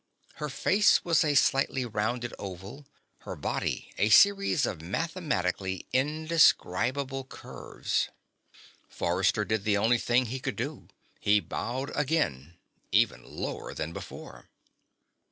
Her face was a slightly rounded oval, her body a series of mathematically indescribable curves. Forrester did the only thing he could do. He bowed again, even lower than before.